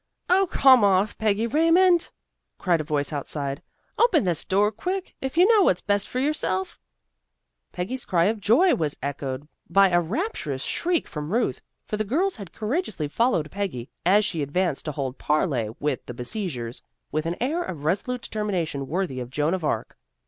"Oh, come off, Peggy Raymond," cried a voice outside. "Open this door quick, if you know what's best for yourself." Peggy's cry of joy was echoed by a rapturous shriek from Ruth, for the girls had courageously followed Peggy, as she advanced to hold parley with the besiegers, with an air of resolute determination worthy of Joan of Arc.